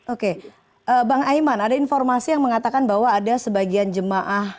oke bang aiman ada informasi yang mengatakan bahwa ada sebagian jemaah